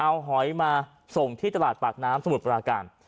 เอาหอยมาส่งที่ตลาดปากน้ำสมุทรปราการ